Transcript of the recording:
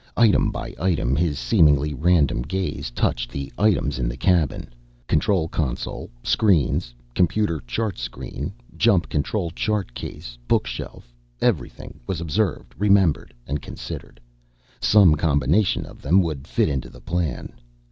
Item by item his seemingly random gaze touched the items in the cabin: control console, screens, computer, chart screen, jump control chart case, bookshelf. Everything was observed, remembered and considered. Some combination of them would fit into the plan.